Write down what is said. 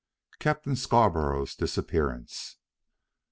CAPTAIN SCARBOROUGH'S DISAPPEARANCE.